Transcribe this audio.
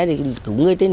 để cứu người